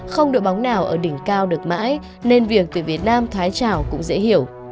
không đội bóng nào ở đỉnh cao được mãi nên việc tuyển việt nam thoái trảo cũng dễ hiểu